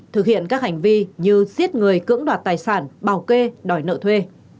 thực hiện các hành vi như giết người cưỡng đoạt tài sản bảo kê đòi nợ thuê